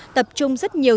tập trung rất nhiều